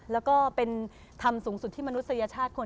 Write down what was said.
แล้วก็เป็นธรรมสูงสุดที่มนุษยชาติควร